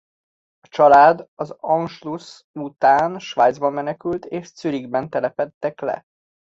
A család az Anschluss után Svájcba menekült és Zürichben telepedtek le.